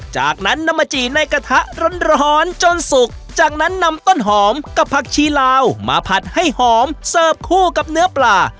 จากนั้นนำมาจี่ในกระทะร้อนจนสุกจากนั้นนำต้นหอมกับผักชีลาวมาผัดให้หอมเสิร์ฟคู่กับเนื้อปลา